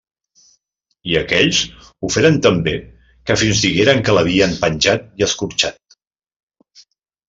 I aquells ho feren tan bé que fins digueren que l'havien penjat i escorxat.